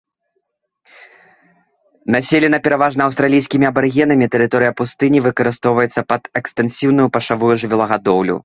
Населена пераважна аўстралійскімі абарыгенамі, тэрыторыя пустыні выкарыстоўваецца пад экстэнсіўную пашавую жывёлагадоўлю.